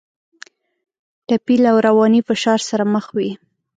ټپي له رواني فشار سره مخ وي.